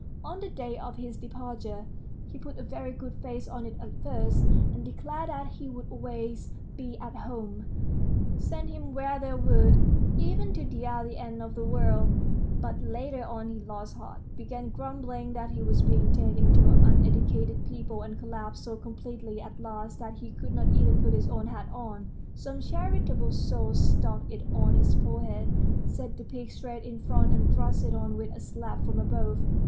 On the day of his departure, he put a very good face on it at first, and declared that he would always be at home, send him where they would, even to the other end of the world; but later on he lost heart, began grumbling that he was being taken to uneducated people, and collapsed so completely at last that he could not even put his own hat on. Some charitable soul stuck it on his forehead, set the peak straight in front, and thrust it on with a slap from above.